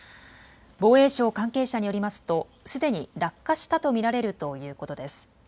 防衛省関係者によりますとすでに落下したと見られるということです。